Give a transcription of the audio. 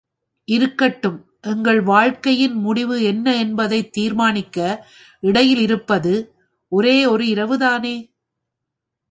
இருக்கட்டும் எங்கள் வாழ்க்கையில் முடிவு என்ன என்பதைத் தீர்மானிக்க இடையில் இருப்பது, ஒரே ஒரு இரவுதானே?